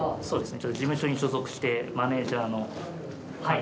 ちょっと事務所に所属して、マネージャーの。